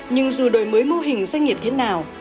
nhưng dù đổi mới mô hình doanh nghiệp thế nào